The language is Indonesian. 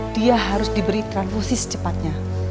dia harus diberi transusi secepatnya